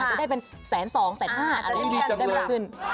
อาจจะได้เป็นแสนสองแสนห้าอะไรแบบนี้จะได้เบลอขึ้น